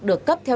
được cấp theo